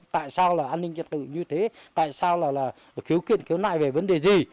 tại sao là an ninh trật tự như thế tại sao là khiếu kiện khiếu nại về vấn đề gì